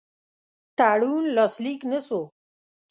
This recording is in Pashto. تړون لاسلیک نه سو.